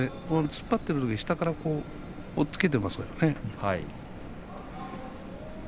突っ張っているよりも下から押っつけていますよね。